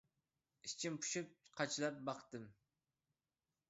ئىچىم پۇشۇپ قاچىلاپ باقتىم.